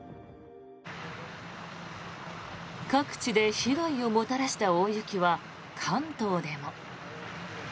各地で被害をもたらした大雪は関東でも。